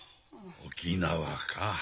沖縄か。